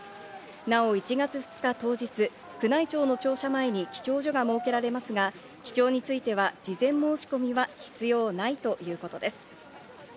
なお１月２日当日、宮内庁の庁舎前に記帳所が設けられますが、記帳所については事前申し込みは必要ないということです。